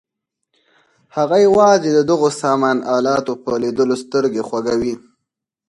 هغه یوازې د دغو سامان الاتو په لیدلو سترګې خوږوي.